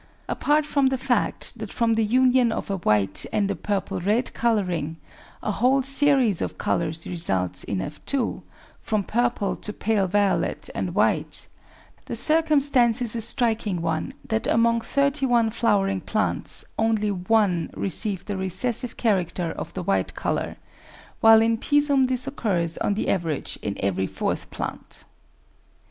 Apart from the fact that from the union of a white and a purple red colouring a whole series of colours results [in F 2 ], from purple to pale violet and white, the circumstance is a striking one that among thirty one flowering plants only one received the recessive character of the white colour, while in Pisum this occurs on the average in every fourth plant.